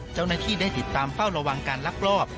เจ้าหน้าที่ได้ติดตามเฝ้าระวังการลักลอบ